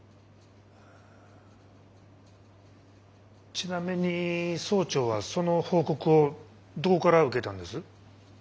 ちなみに総長はその報告をどこから受けたんです？